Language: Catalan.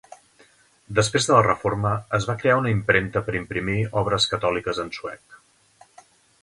Després de la Reforma es va crear una impremta per imprimir obres catòliques en suec.